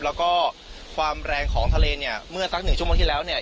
แล้วก็ความแรงของทะเลเนี่ยเมื่อสักหนึ่งชั่วโมงที่แล้วเนี่ย